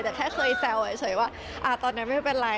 แต่แค่เคยแซวเฉยว่าตอนนั้นไม่เป็นไร